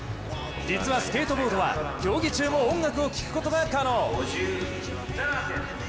実はスケートボードは競技中も音楽を聴くことが可能。